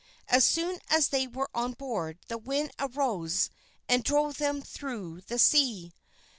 As soon as they were on board the wind arose and drove them through the sea.